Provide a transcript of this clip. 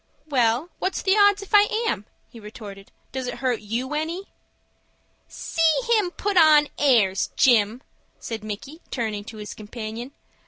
"Well, what's the odds if I am?" he retorted. "Does it hurt you any?" "See him put on airs, Jim," said Micky, turning to his companion.